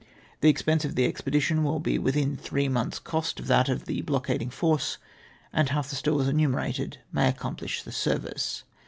" The expense of the expedition will be lulthin three 'months^ cost of that of the blockading force, and half the stores enumerated may accomplish the service.